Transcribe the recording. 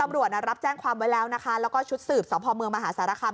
รับแจ้งความไว้แล้วนะคะแล้วก็ชุดสืบสพเมืองมหาสารคาม